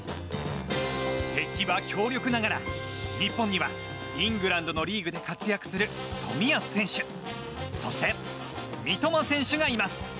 敵は強力ながら、日本にはイングランドのリーグで活躍する冨安選手そして三笘選手がいます。